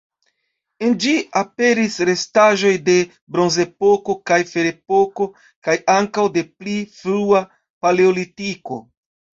En ĝi aperis restaĵoj de Bronzepoko kaj Ferepoko, kaj ankaŭ de pli frua Paleolitiko.